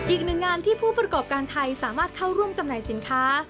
อีกหนึ่งงานที่ผู้ประกอบการไทยสามารถเข้าร่วมจำหน่ายสินค้า